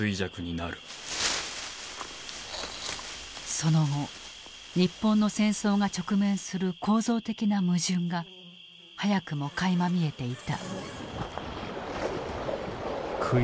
その後日本の戦争が直面する構造的な矛盾が早くもかいま見えていた。